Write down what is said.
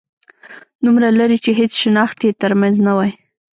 دومره لرې چې هيڅ شناخت يې تر منځ نه وای